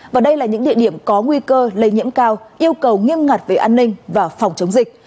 và đây là những địa điểm có nguy cơ lây nhiễm cao yêu cầu nghiêm ngặt về an ninh và phòng chống dịch